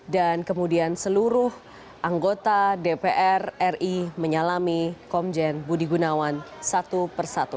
dan kemudian seluruh anggota dpr ri menyalami komjen budi gunawan satu persatu